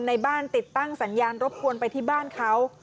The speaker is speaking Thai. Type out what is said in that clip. ในบ้านติดตั้งสัญญาณรบกวนไปที่บ้านเขา